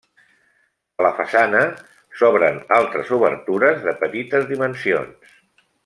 A la façana s'obren altres obertures de petites dimensions.